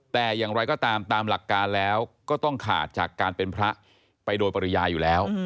แต่อย่างไรก็ตามตามหลักการแล้วก็ต้องขาดจากการเป็นพระไปโดยปริญญาอยู่แล้ว